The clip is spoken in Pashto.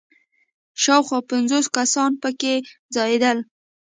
شاوخوا پنځوس کسان په کې ځایېدل.